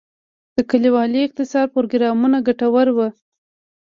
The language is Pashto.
د کلیوالي اقتصاد پروګرامونه ګټور وو؟